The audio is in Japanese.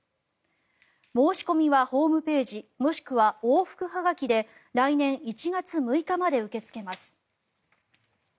申し込みはホームページもしくは往復はがきで来年１月６日まで受け付けます。